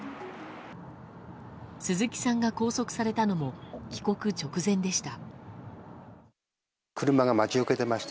鈴木さんが拘束されたのも帰国直前でした。